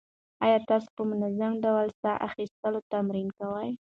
ایا تاسو په منظم ډول ساه اخیستل تمرین کوئ؟